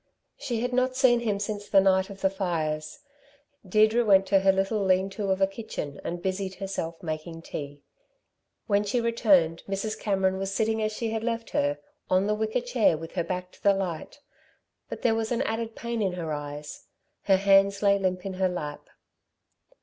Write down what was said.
She had not seen him since the night of the fires. Deirdre went to her little lean to of a kitchen and busied herself making tea. When she returned, Mrs. Cameron was sitting as she had left her, on the wicker chair with her back to the light; but there was an added pain in her eyes: her hands lay limp in her lap.